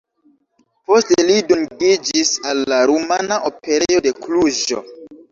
Poste li dungiĝis al la Rumana Operejo de Kluĵo.